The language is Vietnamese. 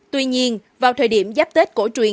tuy nhiên vào thời điểm giáp tết cổ truyền